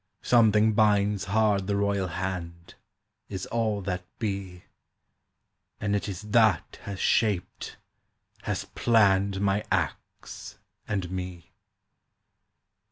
Something binds hard the royal hand, As all that be, And it is That has shaped, has planned My acts and me.